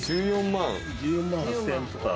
１４万８０００円とか。